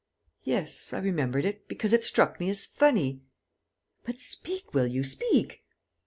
"Yes, I remembered it, because it struck me as funny...." "But speak, will you? Speak!"